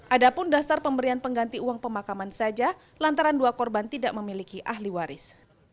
ada pun dasar pemberian pengganti uang pemakaman saja lantaran dua korban tidak memiliki ahli waris